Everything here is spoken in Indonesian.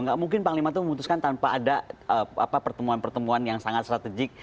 nggak mungkin panglima itu memutuskan tanpa ada pertemuan pertemuan yang sangat strategik